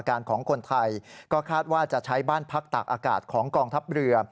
ของคนไทยก็คาดว่าจะใช้บ้านพักตากอากาศของกองทัพเรือ